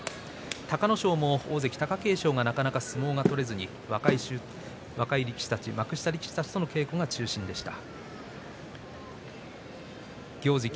隆の勝も大関貴景勝がなかなか相撲を取れずに若い力士たち、幕下力士たちの稽古が中心となりました。